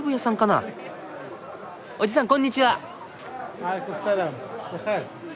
おじさんこんにちは。